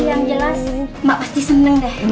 yang jelas mak pasti senang deh